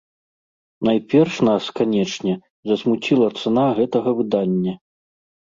Найперш нас, канечне, засмуціла цана гэтага выдання.